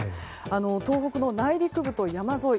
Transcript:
東北の内陸部と山沿い